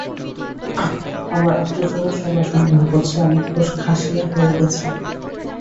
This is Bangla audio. আমার আত্মীয়স্বজন সবাই সন্দেহ করছে আমি খাসিয়া হয়ে গেছি।